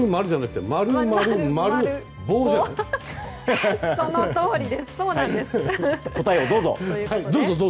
そのとおりです。